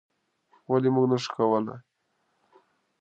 ولې موږ نشو کولی؟